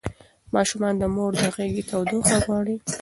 ماشومان د مور د غېږې تودوخه غواړي.